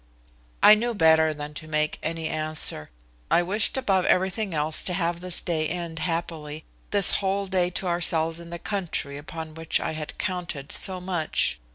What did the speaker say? I knew better than to make any answer. I wished above everything else to have this day end happily, this whole day to ourselves in the country, upon which I had counted so much.